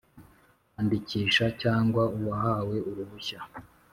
Kwandikisha cyangwa uwahawe uruhushya